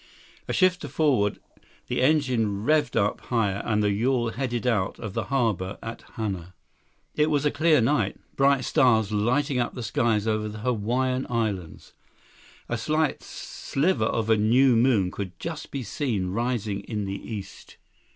A shift to forward, the engine revved up higher, and the yawl headed out of the harbor at Hana. 98 It was a clear night, bright stars lighting up the skies over the Hawaiian Islands. A slight sliver of a new moon could just be seen rising in the east.